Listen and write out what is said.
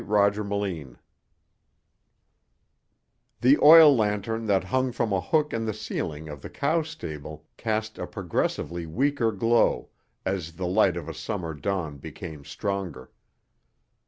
chapter 3 The oil lantern that hung from a hook in the ceiling of the cow stable cast a progressively weaker glow as the light of a summer dawn became stronger.